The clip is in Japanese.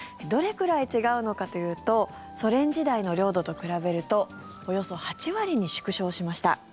どれくらい違うのかというとソ連時代の領土と比べるとおよそ８割に縮小しました。